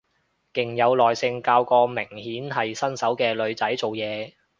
勁有耐性教個明顯係新手嘅女仔做嘢